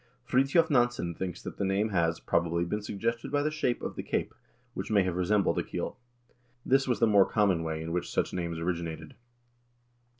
Fridtjof Nansen thinks that the name has, probably, been suggested by the shape of the cape, which may have resembled a keel. This was the more common way in which such names originated.